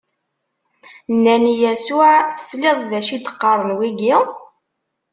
Nnan i Yasuɛ: Tesliḍ d acu i d-qqaren wigi?